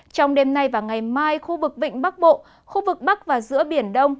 trong đêm nay và ngày mai khu vực vịnh bắc bộ khu vực bắc và giữa biển đông